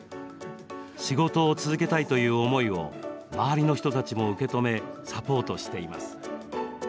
仕事を続けたいという思いを周りの人たちも受け止めサポートしています。